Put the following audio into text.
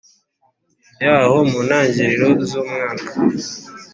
Yaho mu ntangiriro z umwaka